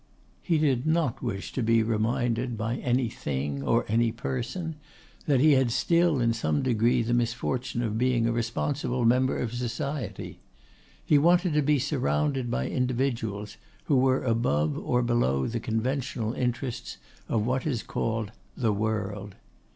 He did not wish to be reminded by anything or any person that he had still in some degree the misfortune of being a responsible member of society. He wanted to be surrounded by individuals who were above or below the conventional interests of what is called 'the World.